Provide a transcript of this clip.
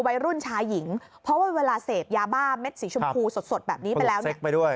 วัยรุ่นชายหญิงเพราะว่าเวลาเสพยาบ้าเม็ดสีชมพูสดแบบนี้ไปแล้วเนี่ย